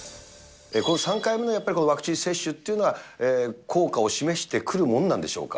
この３回目のワクチン接種というのは、効果を示してくるもんなんでしょうか。